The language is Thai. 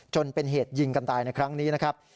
จนเป็นเหตุยิงกันตายในครั้งนี้นะครับ